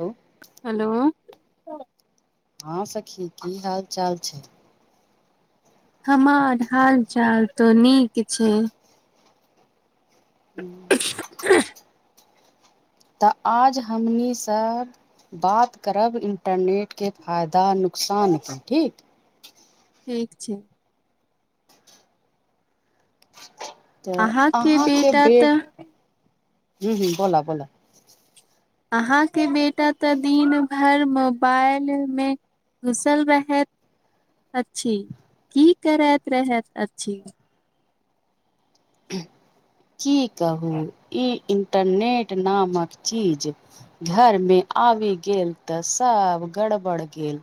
Hello hello हँं सखी की हाल चाल छै हमर हाल चाल तो नीक छै हूँ [unintelligible] तऽ आज हमनी सब बात करब इंटरनेट के फायदा नुकसान पर ठीक ठीक छै तऽ अहाँके बेटा बेट तऽ ह्म ह्म बोल बोल अहाँके बेटा तऽ दिन भैर मोबाइल मे घुसल रहैत अछि की करैत रहैत अछि की कहू ई इन्टरनेट नामक चीज घर मे आबि गेल तऽ सब गड़बड़ केल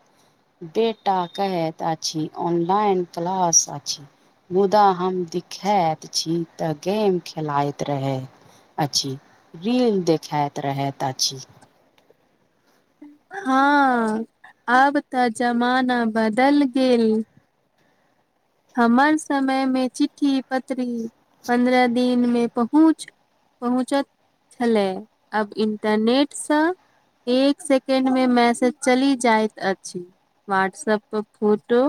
बेटा कहैत अछि ऑनलाइन क्लास अछि मुदा हम दिखैत छी तऽ गेम खेलाइत रहै अछि रील देखइत रहैत अछि हँ आब तऽ जमाना बदल गेल हमर समय मे चिठ्ठी पत्री पन्द्रह दिन मे पहुँच पहुँचत छलै आब इंटरनेटसँ एक सेकें्ड मे मैसेज चलि जाइत अछि वाट्सप पर फोटो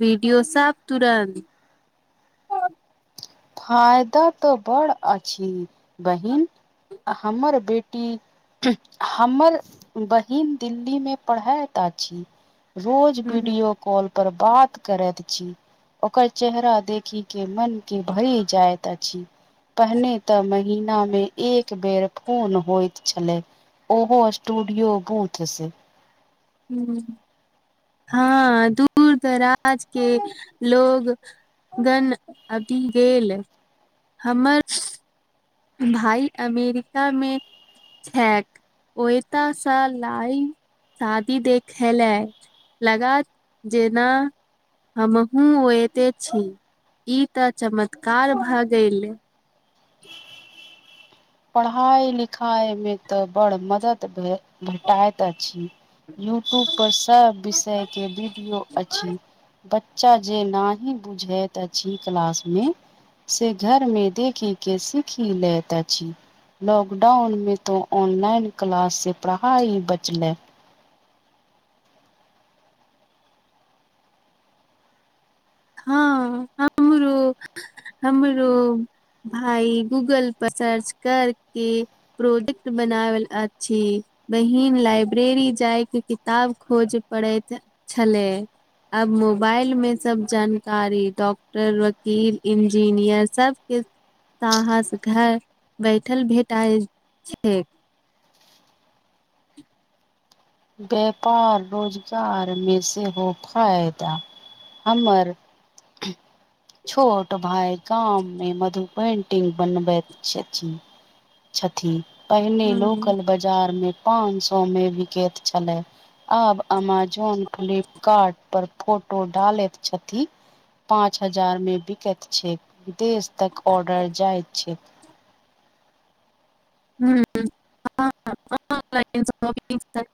वीडियो साब तुरन्त [inaudible] फायदा तऽ बड़ अछि बहिन हमर बेटी हमर बहिन दिल्ली मे पढ़यता अछि रोज वीडियो कॉल पर बात करैत छी ओकर चेहरा देखी के मन के भरी जायत अछि पहिने तऽ महिना मे एक बेर फोन होइत छलै ओहो स्टूडियो बूथ से ह हँ दूर दराज के लोग गन अभी गेल हमर भाइ अमेरिका मे छैैक ओता से लाइव शादी देखेलै लगात जेना हमहुूँ ओते छी ई त चमत्कार भ गेल पढ़ाइ लिखाइमे तऽ बड़ मदद भे भेटाइत अछि यूट्यूब पर सब विषय के वीडियो अछि बच्चा जे न ही बुझैत अछि क्लास मे से घर में देखी के सीखी लेतै छी लॉकडाउन में तो ऑनलाइन क्लास से पढ़ाई बचलै। हँ हमरो हमरो। भइ गूगल पर सर्च करके प्रोजेक्ट बनावल अछी। बहिन लाइब्रेरी जायके किताब खोज पड़ैत छलै। अब मोबाइल मे सब जानकारी डॉक्टर वकील इंजीनियर सबके ताहस घर बैठल भेटय छैय। व्यापार रोजगारमे सेहो फायदा हमर [unintelligible] छोट भााय गाम मे मधु पेन्टिंग बनबैत छथिन। छथि पहिने लोकल बाजार मे पाँच सौ मे विकेत छलै आब अमेजोन फ्लिपकार्ट पर फोटो डालैत छथिन पाँच हजार मे बिकैत छैय विदेश तक ऑर्डर जाय छैय। हूं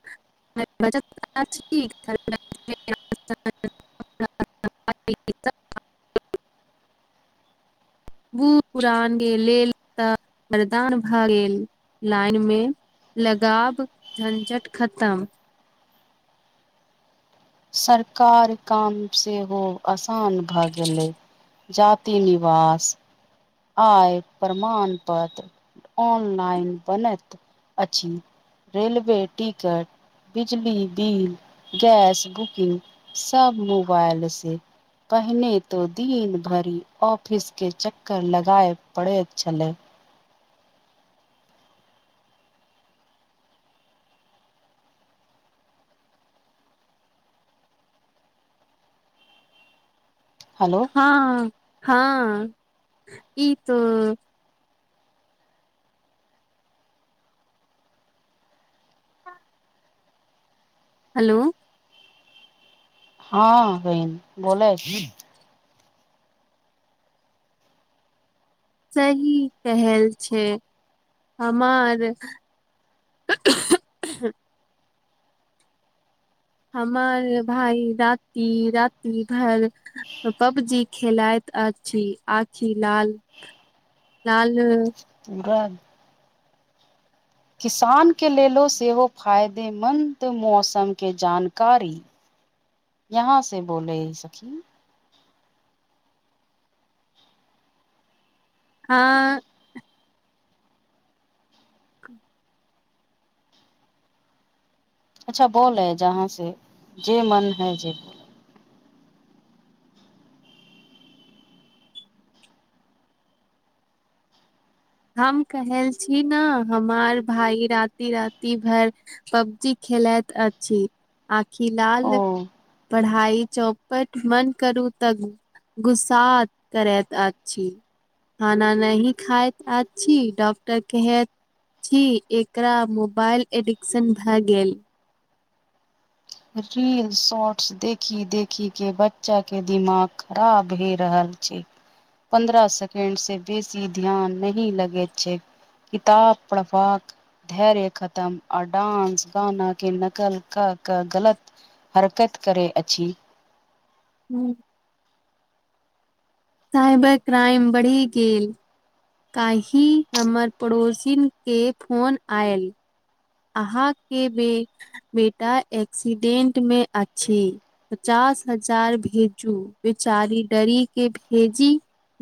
[unintelligible] [unintelligible] [unintelligible] बूढ पुरानके लेल तऽ वरदान भए गेल लाइन मे लगाब झञझट खतम। सरकार काम सेहो आसान भए गेलै। जाति निवास आय प्रमाण पत्र ऑनलाइन बनैत अछि। रेलवे टिकट बिजली बिल गैस बुकिंग सब मोबाइल से पहिने तो दिन भरि ऑफिस के चक् कर लगाए पड़ेत छलै। हेलो हँ हँ ई तो हेलो हँ बहिन बोलै। सही कहल छैय हमार [unintelligible] हमार भााय रति राति भर पबजी खेलइत अछि, आखी लाल लाल [unintelligible] किसान के लेलो सेहो फायदेमंन्द मौसम के जानकारी यहाँ से बोलय ह सखी। हँ क अच्छा बोले है जहाँ से जे मन है जे हम कहेल छी ने हमार भाई राति राति भरि पबजी खेलैत अछि आखिलाल ओ पढ़ाई चौ पट बंद करू तऽ गुस्सा करैत अछि। खाना नहि खाइत अछी डॉक्टर कहेत छी एकरा मोबाइल एडिक्शन भए गेल। रील् शॉर्ट्स देखि देखिके बच्चाके दिमाग खराब भए रहल छैय पन्द्रह सेकंड से बेसी ध्यान नहि लगैत छैय। किताब पढ़बाक धैर्य खतम आ डांस गाना के नकल क गलत हरकत करय अछि हूँ साइबर क्राइम बढ़ि गेल काल्हि हमर पड़ोसिन के फोन आयल अहाँके बे बेटा एक्सीडेंट में अछि पचास हजार भेजू बेचारी डरी के भेजी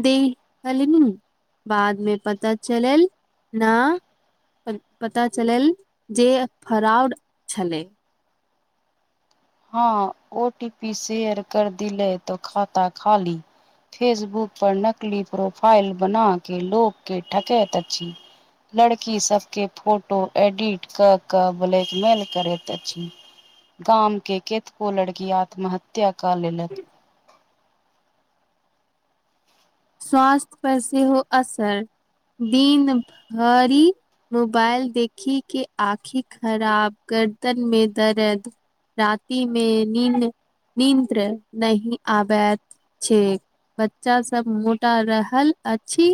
देहली बादमे पता चलल न पता चलल जे फराउड छलै हँ ओ टी पी शेयर कर दिलै तो खाता खाली फेसबुक पर नकली प्रोफाइल बना के लोग के ठकैत अछी लड़की सबके फोटो एडिट क क ब्लैकमेल करैत अछि गाम के केतबो को लड़की आत्महत्या क लेलक स्वास्थ्य पर सेहो असर दिन भरि मोबाइल देखी के आँखि खराब गर्दन में दर्द रति मे नींद नींद नही आबैत छै बच्चा सब मोट त रहल अछि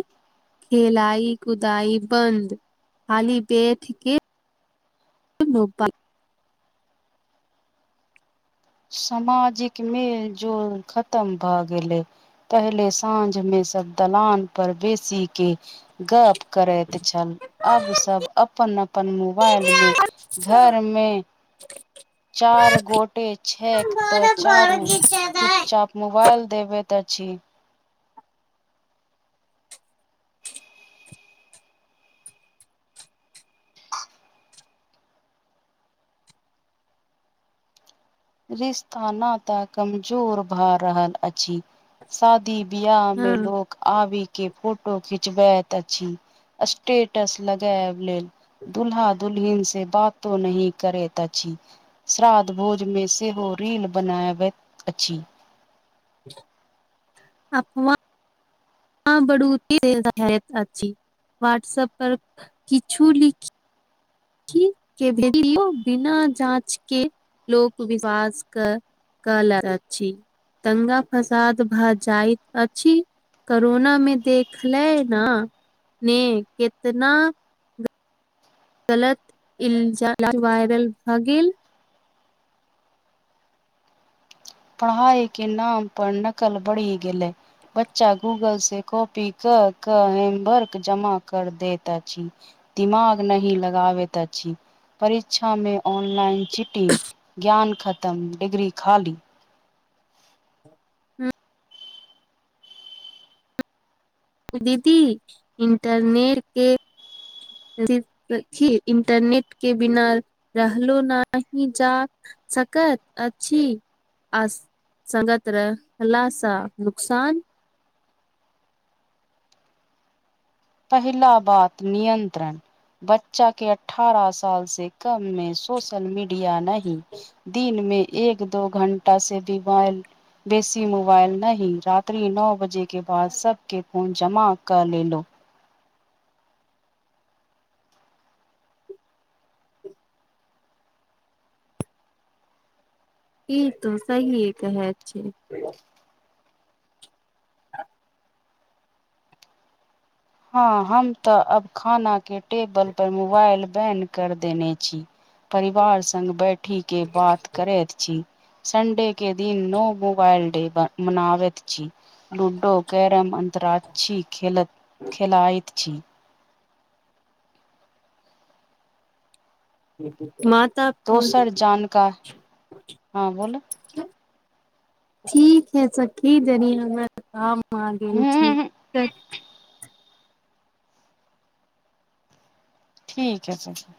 खेलाइ कुदई बन्द खाली बन्द के [unintelligible] सामाजिक में जो खतम भए गेलै पहले साँझ में सब दलान पर बेसी के गप करैत छल आब सब अपन अपन मोबाइल मे घरमे चार गोटे छैक तऽ चारू चुप चाप मोबाइल देबैत अछि रिस्ता नाता कमजोर भ रहल अछि सब दिबिया में हँ लोक आबी के फोटो खिचबैत अछि स्टेटस लगा लेल दुूल्हा दुलहिन से बातो नहि करेत अछि श्रादध भोज मे सेहो रील बनावय अछि [unintelligible] ह [unintelligible] व्हाट्सप पर किछु लिखी के भ बिना जाँच के लोक विवास क [unintelligible] कल दंगा फसाद भऽ जाइत अछि करोना मे देखले न ने कितना गलत इलजा वायरल भ गेल पढ़ाई के नाम पर नकल बढ़ी गेलै बच्चा गूगल से कॉपी क क हेमबर्क जमा कर देत अछि दिमाग नहि लगाबेत अछि परीक्षा मे ऑनलाइन चिटिंग ज्ञान खत्म डिग्री खाली दीदी इन्टरनेट के [unintelligible] इंटरनेट के बिना रहलो नाहि जा सकत अछि आस संगत रहला स नुकसान पहिला बात नियंत्रण बच्चा के अठारह साल से कम मे सोशल मीडिया नहि दिन मे एक दो घंटा से डिबाइल बेसी मोबाइल नहि राति नओ बजे के के बाद सबके फोन जमा कऽ लेलहुँ ई तो सहिए कहैत छी। हँ हम तऽ अब खाना के टेबल पर मोबाइल बैंन कर देने छी। परिवार संग बैठ ठीके बात करैत छी संडे के दिन नो मोबाइल डे मनाबैत छी लूडो कैरम अंताक्षरी खेल खेला‌इ छी [unintelligible] माता दोसर जानका हँ बोलो ठीक है सखी जनी हमर काम आ गेल हूँ छैय। ठीक है सखी।